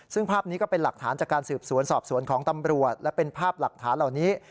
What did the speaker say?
ซึ่งภาพนี้ก็เป็นหลักฐานจากการสืบสวนสอบสวนของตำรวจและเป็นภาพหลักฐานเหล่านี้